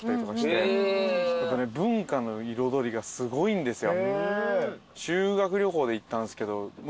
文化の彩りがすごいんですよ。